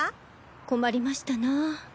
困りましたなぁ。